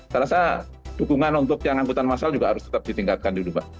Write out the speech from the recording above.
saya rasa dukungan untuk yang angkutan masalah juga harus tetap ditingkatkan di rumah